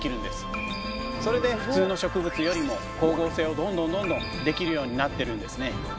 それで普通の植物よりも光合成をどんどんどんどんできるようになってるんですね。